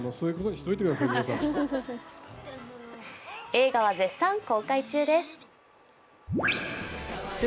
映画は絶賛公開中です。